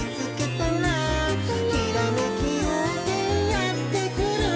「ひらめきようせいやってくる」